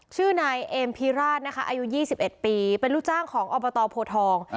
ชื่อนายเอมพิราชนะคะอายุ๒๑ปีเป็นลูกจ้างของอบตโพทอง